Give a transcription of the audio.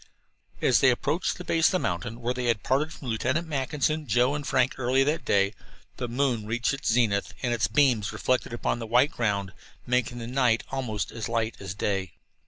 As they approached the base of the mountain where they had parted from Lieutenant Mackinson, Joe, and Frank early that day, the moon reached its zenith, and its beams, reflected upon the white ground, made the night almost as light as day.